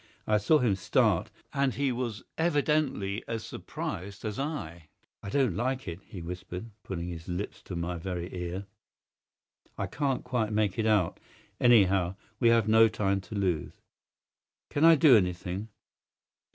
I saw him start, and he was evidently as surprised as I. "I don't like it," he whispered, putting his lips to my very ear. "I can't quite make it out. Anyhow, we have no time to lose." "Can I do anything?"